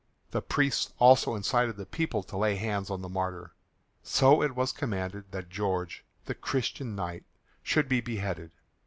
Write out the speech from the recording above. The priests also incited the people to lay hands on the martyr. So it was commanded that George, the Christian knight, should be beheaded.